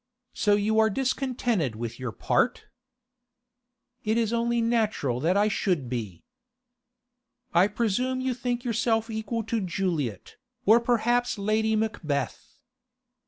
'So you are discontented with your part?' 'It's only natural that I should be.' 'I presume you think yourself equal to Juliet, or perhaps Lady Macbeth?